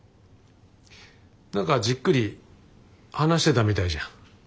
何かじっくり話してたみたいじゃん。